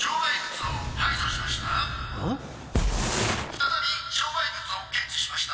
再び障害物を検知しました。